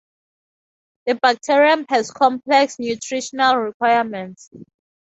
The bacterium has complex nutritional requirements.